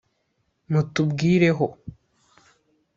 Mutubwireho